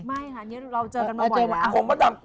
ไม่ค่ะเราเจอกันมาบ่อยแล้ว